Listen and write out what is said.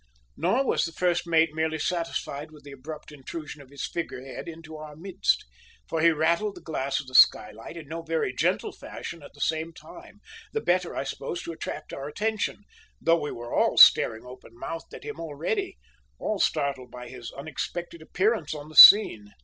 Nor was the first mate merely satisfied with the abrupt intrusion of his figurehead into our midst, for he rattled the glass of the skylight in no very gentle fashion at the same time, the better, I suppose, to attract our attention, though we were all staring open mouthed at him already, all startled by his unexpected appearance on the scene.